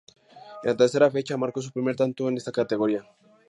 En la tercera fecha, marcó su primer tanto en esa categoría.